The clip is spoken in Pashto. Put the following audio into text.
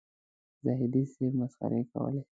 زاهدي صاحب مسخرې کولې.